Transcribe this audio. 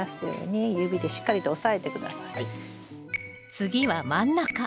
次は真ん中。